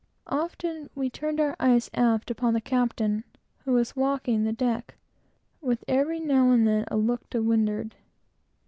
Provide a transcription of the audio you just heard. All eyes were aft upon the captain, who was walking the deck, with, every now and then, a look to windward.